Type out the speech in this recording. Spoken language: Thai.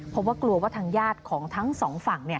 เพราะว่ากลัวว่าทางญาติของทั้งสองฝั่ง